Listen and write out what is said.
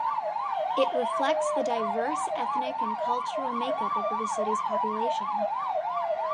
It reflects the diverse ethnic and cultural makeup of the city's population.